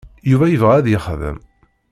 Yuba yebɣa ad yexdem.